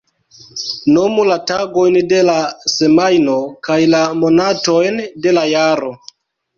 Nomu la tagojn de la semajno kaj la monatojn de la jaro.